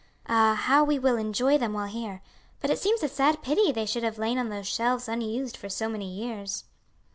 "Ah, how we will enjoy them while here! But it seems a sad pity they should have lain on those shelves unused for so many years."